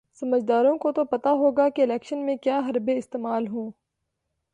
سمجھداروں کو تو پتا ہوگا کہ الیکشن میں کیا حربے استعمال ہوں۔